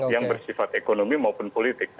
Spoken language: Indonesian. yang bersifat ekonomi maupun politik